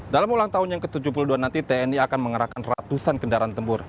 dalam ulang tahun yang ke tujuh puluh dua nanti tni akan mengerahkan ratusan kendaraan tempur